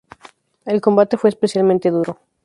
El combate fue especialmente duro.